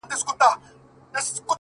ياد مي دي تا چي شنه سهار كي ويل ـ